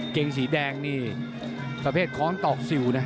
เกงสีแดงนี่ประเภทค้อนตอกสิวนะ